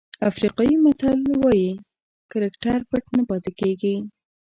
افریقایي متل وایي کرکټر پټ نه پاتې کېږي.